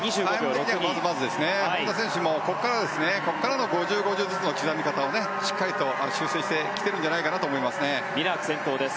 本多選手もここからの５０、５０ずつの刻み方をしっかりと修正してきていると思います。